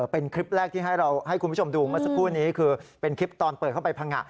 เป็นคลิปแรกที่ให้เราให้คุณผู้ชมดูเมื่อสักครู่นี้คือเป็นคลิปตอนเปิดเข้าไปพังงะ